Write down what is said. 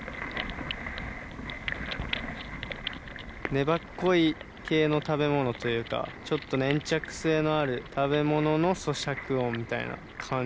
粘っこい系の食べ物というかちょっと粘着性のある食べ物のそしゃく音みたいな感じ。